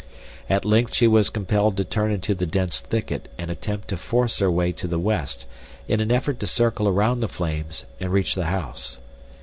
At length she was compelled to turn into the dense thicket and attempt to force her way to the west in an effort to circle around the flames and reach the house.